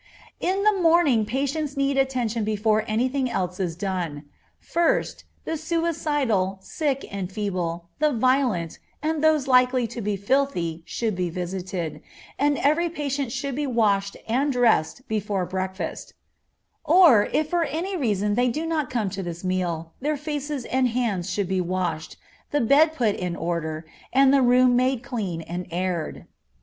In the morning patients need attention before any thing else is done. First, the suicidal, sick and feeble, the violent, and those likely to be filthy should be visited, and every patient should be washed and dressed before breakfast; or, if for any reason they do not come to this meal, their faces and hands should be washed, the bed put in order, and the room made clean and aired.